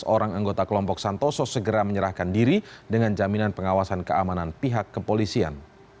empat belas orang anggota kelompok santoso segera menyerahkan diri dengan jaminan pengawasan keamanan pihak kepolisian